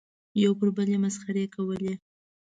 یو پر بل یې مسخرې کولې.